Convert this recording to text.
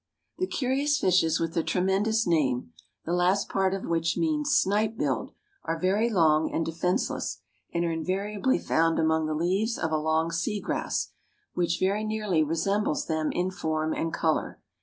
The curious fishes with the tremendous name, the last part of which means snipe billed, are very long and defenseless, and are invariably found among the leaves of a long sea grass, which very nearly resembles them in form and color.